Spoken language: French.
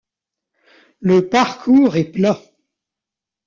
Le parcours est plat.